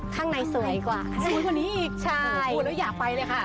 ข้างในสวยกว่าสวยกว่านี้อีกใช่พูดแล้วอยากไปเลยค่ะ